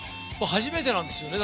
初めてなんですよね。